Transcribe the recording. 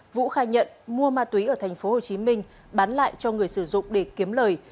vũ khai nhận mua ma túy ở tp hồ chí minh bán lại cho người sử dụng để kiếm lời